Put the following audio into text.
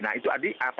nah itu artinya apa